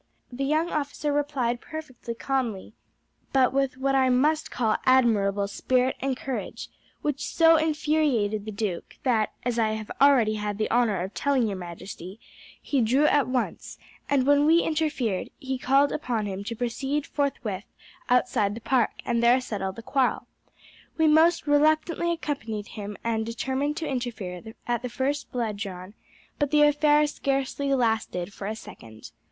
The young officer replied perfectly calmly, but with what I must call admirable spirit and courage, which so infuriated the duke, that, as I have already had the honour of telling your majesty, he drew at once, and when we interfered he called upon him to proceed forthwith outside the park, and there settle the quarrel. We most reluctantly accompanied him, and determined to interfere at the first blood drawn; but the affair scarcely lasted for a second.